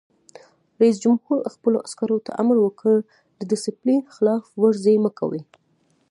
رئیس جمهور خپلو عسکرو ته امر وکړ؛ د ډسپلین خلاف ورزي مه کوئ!